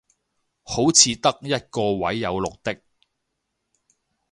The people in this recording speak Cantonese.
好似得一個位有綠的